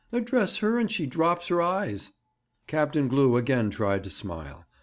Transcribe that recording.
"Address her and she drops her eyes."' Captain Glew again tried to smile.